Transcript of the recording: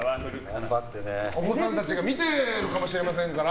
お子さんたちが見てるかもしれませんから。